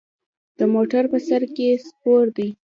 د موټر په سر کې سپور دی.